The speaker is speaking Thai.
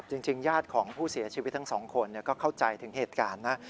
ญาติของผู้เสียชีวิตทั้งสองคนก็เข้าใจถึงเหตุการณ์นะ